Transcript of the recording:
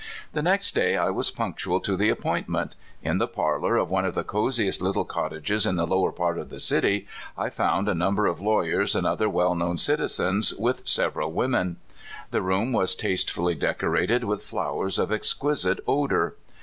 The next day I was punctual to the appoint ment. In the parlor of one of the coziest little cottages in the lower part of the city I found a number of lawyers and other well known citizens, with several women. The room was tastefully decorated with flowers of exquisite odor.